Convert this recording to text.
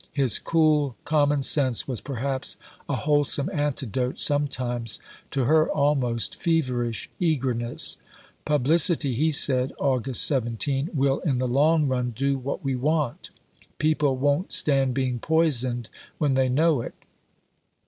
His cool common sense was perhaps a wholesome antidote sometimes to her almost feverish eagerness. "Publicity," he said (Aug. 17), "will in the long run do what we want. People won't stand being poisoned when they know it."